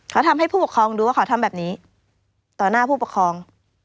เขาทำให้ผู้ปกครองดูว่าเขาทำแบบนี้ต่อหน้าผู้ปกครอง